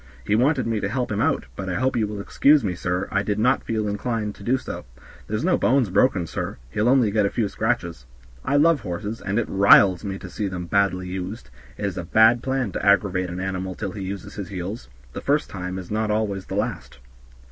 He wanted me to help him out, but I hope you will excuse me, sir, I did not feel inclined to do so. There's no bones broken, sir; he'll only get a few scratches. I love horses, and it riles me to see them badly used; it is a bad plan to aggravate an animal till he uses his heels; the first time is not always the last."